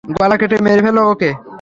গলা কেটে মেরে ফেল ওকে।